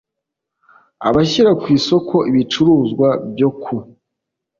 abashyira ku isoko ibicuruzwa byo ku